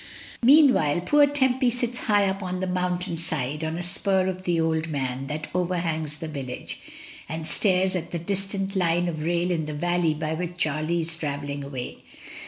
Meanwhile poor Tempy sits high up on the mountainside, on a spur of the "Old Man" that overhangs the village, and stares at the distal line of rail in the valley by which Charlie is travelling away.